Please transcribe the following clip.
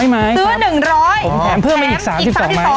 ๑๐๐ไม้ครับผมแถมเพิ่มให้อีก๓๒ไม้